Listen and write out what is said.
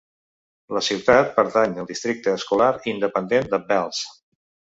La ciutat pertany al districte escolar independent de Bells.